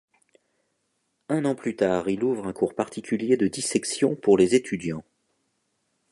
Un an plus tard il ouvre un cours particulier de dissection pour les étudiants.